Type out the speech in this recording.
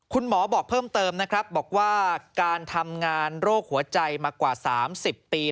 คุณหมอบอกเพิ่มเติมนะครับบอกว่าการทำงานโรคหัวใจมากว่า๓๐ปี